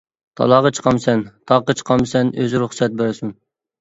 تالاغا چىقامسەن، تاغقا چىقامسەن ئۆزى رۇخسەت بەرسۇن.